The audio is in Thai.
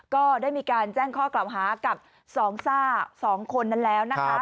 ก็ได้มีการแจ้งข้อกล่าวหากับสองซ่า๒คนนั้นแล้วนะคะ